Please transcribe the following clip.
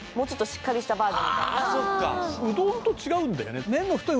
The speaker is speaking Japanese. そっかうどんと違うんだよね